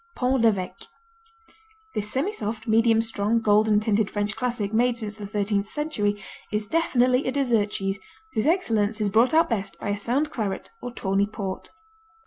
Pont L'Evêque This semisoft, medium strong, golden tinted French classic made since the thirteenth century, is definitely a dessert cheese whose excellence is brought out best by a sound claret or tawny port.